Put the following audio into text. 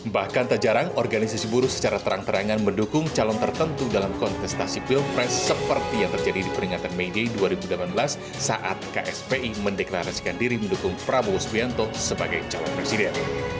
bahkan tak jarang organisasi buruh secara terang terangan mendukung calon tertentu dalam kontestasi pilpres seperti yang terjadi di peringatan may day dua ribu delapan belas saat kspi mendeklarasikan diri mendukung prabowo subianto sebagai calon presiden